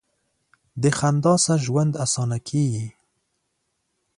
د خندا سره ژوند اسانه کیږي.